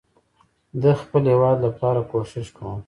ده خپل هيواد لپاره کوښښ کوم